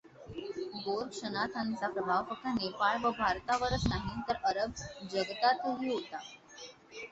गोरक्षनाथांचा प्रभाव फक्त नेपाळ व भारतावरच नाही तर अरब जगतातही होता.